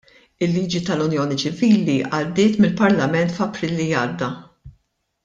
Il-liġi tal-unjoni ċivili għaddiet mill-Parlament f'April li għadda.